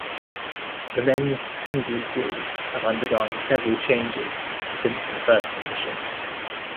The men's singles rules have undergone several changes since the first edition.